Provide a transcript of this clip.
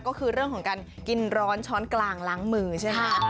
ก็คือเรื่องของการกินร้อนช้อนกลางล้างมือใช่ไหม